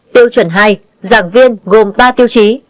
tiêu chuẩn hai giảng viên gồm ba tiêu chí